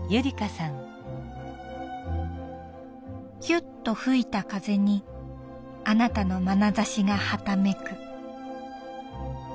「ひゅっと吹いた風にあなたのまなざしがはためく」。